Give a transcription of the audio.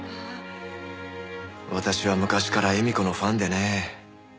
私は昔から絵美子のファンでね。